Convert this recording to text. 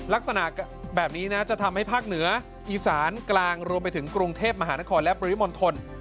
ลักษณะแบบนี้นะจะทำให้ภาคเหนืออีสานกลางรวมไปถึงกรุงเทพมหานครและปริมณฑล